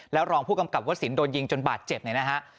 แล้วรองผู้กำกับว่าสินต์โดนยิงจนบาดเจ็บในนะคะ